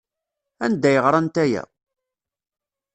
Anda ay ɣrant aya?